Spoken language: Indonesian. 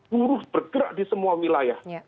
buruh bergerak di semua wilayah